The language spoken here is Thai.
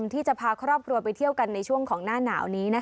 ที่จะพาครอบครัวไปเที่ยวกันในช่วงของหน้าหนาวนี้